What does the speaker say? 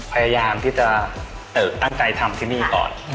พยายามที่ตั้งไว้ทำที่นี่ดีกว่า